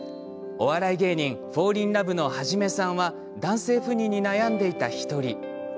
お笑い芸人フォーリンラブのハジメさんは男性不妊に悩んでいた１人。